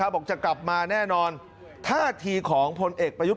บอกจะกลับมาแน่นอนท่าทีของพลเอกประยุทธ์